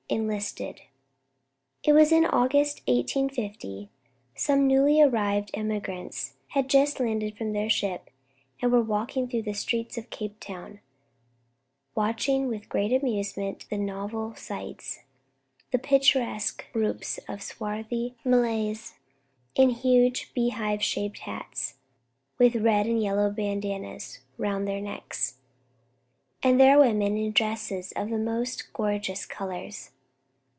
ENLISTED. It was in August, 1850. Some newly arrived emigrants had just landed from their ship, and were walking through the streets of Cape Town, watching with great amusement the novel sights, the picturesque groups of swarthy Malays in huge beehive shaped hats, with red and yellow bandanas round their necks, and their women in dresses of the most gorgeous colours.